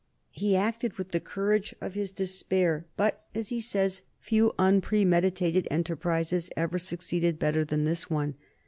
He acted with the courage of his despair, but, as he says, few unpremeditated enterprises ever succeeded better than this one.